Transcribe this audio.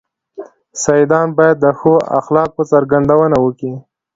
سيدان بايد د ښو اخلاقو څرګندونه وکي.